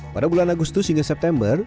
pada bulan agustus hingga september